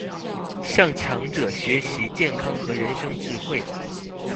向強者學習健康和人生智慧